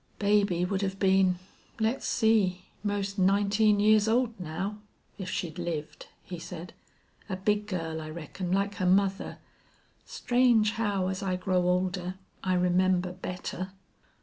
"Baby would have been let's see 'most nineteen years old now if she'd lived," he said. "A big girl, I reckon, like her mother.... Strange how, as I grow older, I remember better!"